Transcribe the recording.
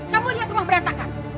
kamu lihat rumah berantakan